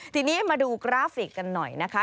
ทีนี้มาดูกราฟิกกันหน่อยนะคะ